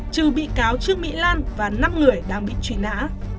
trừ bị cáo trương mỹ lan và năm người đang bị truy nã